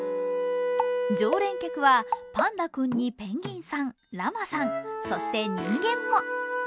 常連客はパンダくんにペンギンさん、ラマさん、そして人間も。